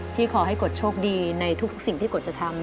ขอให้กฎโชคดีในทุกสิ่งที่กฎจะทำ